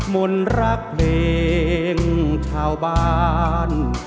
มนต์รักเพลงชาวบ้าน